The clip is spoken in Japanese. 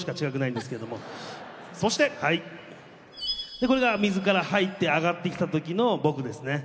でこれが水から入って上がってきた時の僕ですね。